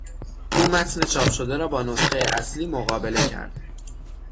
او متن چاپ شده را با نسخه اصلی مقابله کرد.